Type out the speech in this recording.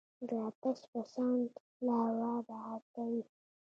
د آتش فشان لاوا بهر کوي.